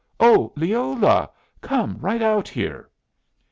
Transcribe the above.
Oh, Leola! Come right out here!"